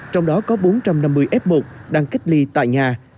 trong đó có bốn trăm năm mươi f một đang cách ly tại nhà